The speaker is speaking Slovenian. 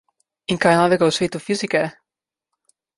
In kaj je novega v svetu fizike?